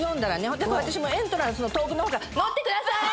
私もエントランスの遠くの方から乗ってくださーい！